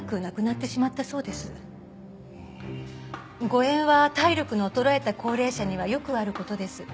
誤嚥は体力の衰えた高齢者にはよくある事です。